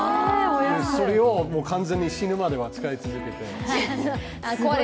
それを完全に死ぬまでは使い続けて。